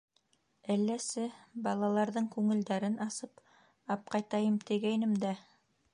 — Әлләсе, балаларҙың күңелдәрен асып апҡайтайым тигәйнем дә...